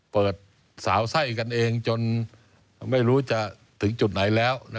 เปิดสาวไส้กันเองจนไม่รู้จะถึงจุดไหนแล้ว